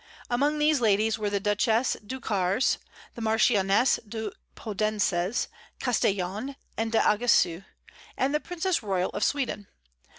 Among these ladies were the Duchesse de Cars, the Marchionesses de Podences, Castellan, and d'Aguesseau, and the Princess Royal of Sweden.